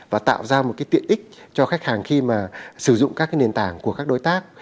và tạo ra một tiện ích cho khách hàng khi sử dụng các nền tảng của các đối tác